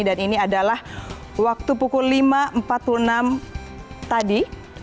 dan ini adalah waktu pukul lima empat puluh enam tadi